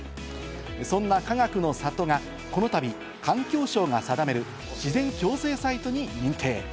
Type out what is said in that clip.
そんなかがくの里が、このたび、環境省が定める自然共生サイトに認定。